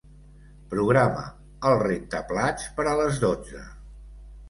Programa el rentaplats per a les dotze.